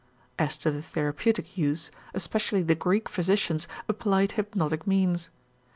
As to the therapeutic use, especially the Greek physicians applied hypnotic means.